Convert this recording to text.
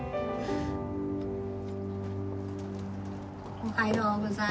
おはようございます。